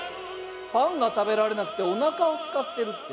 パンが食べられなくておなかをすかせてるって？